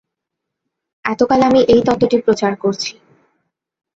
এতকাল আমি এই তত্ত্বটি প্রচার করছি।